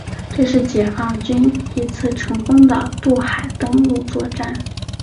这是解放军一次成功的渡海登陆作战。